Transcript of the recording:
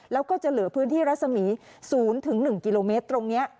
แล้วก็จะเหลือพื้นที่รัศมี๐๑กิโลเมตรตรงนี้